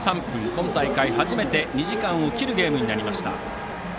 今大会、初めて２時間を切るゲームになりました。